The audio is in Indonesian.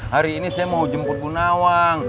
hari ini saya mau jemput bu nawang